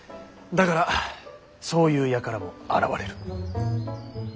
だからそういう輩も現れる。